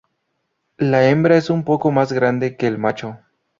La hembra es un poco más grande que el macho.